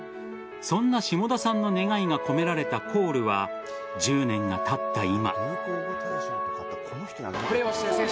そんな下田さんの願いが込められたコールは１０年がたった今。